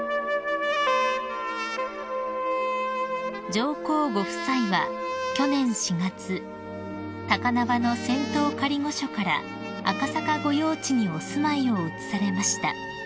［上皇ご夫妻は去年４月高輪の仙洞仮御所から赤坂御用地にお住まいを移されました］